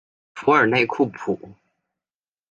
图尔内库普。